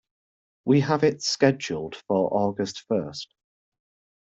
We have it scheduled for August first.